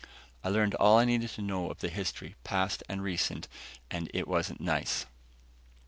I learned all I needed to know of the history, past and recent, and it wasn't nice.